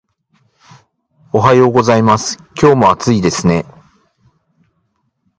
おはようございます。今日も暑いですね